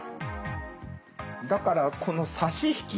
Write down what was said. だからこの差し引き